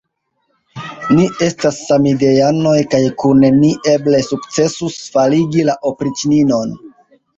Ni estas samideanoj kaj kune ni eble sukcesus faligi la opriĉninon.